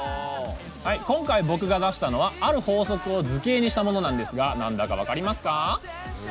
今回、僕が出したのはある法則を図形にしたものなんですがなんだか分かりますか？